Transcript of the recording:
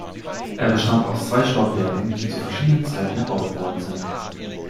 Er bestand aus zwei Stockwerken, die zu verschiedenen Zeiten erbaut worden sind.